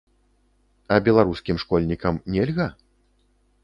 А беларускім школьнікам нельга?